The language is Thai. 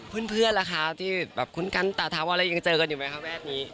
เพื่อนล่ะคะที่แบบคุ้นกันตาถาวรอะไรยังเจอกันอยู่ไหมคะแวดนี้